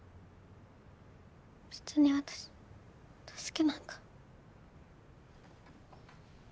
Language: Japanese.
別に私助けなんか。